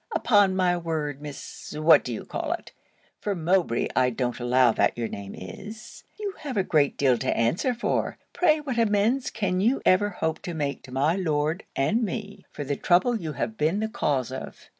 Upon my word, Miss What d'ye call it, (for Mowbray I don't allow that your name is) you have a great deal to answer for. Pray what amends can you ever hope to make to my Lord, and me, for the trouble you have been the cause of?'